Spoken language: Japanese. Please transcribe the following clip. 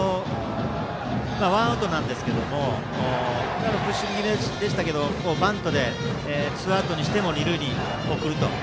ワンアウトなんですが今のプッシュ気味でしたけどバントでツーアウトにしても二塁に送るという。